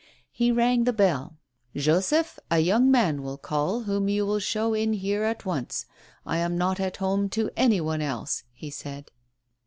He rang the bell. "Joseph, a young man will call, whom you will show in here at once. I am not at home to any one else," he said.